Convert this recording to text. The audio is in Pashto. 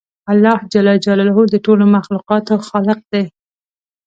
الله جل جلاله د ټولو مخلوقاتو خالق دی